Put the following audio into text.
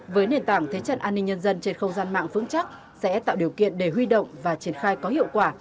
với nền tảng thế trận an ninh nhân dân trên không gian mạng vững chắc sẽ tạo điều kiện để huy động và triển khai có hiệu quả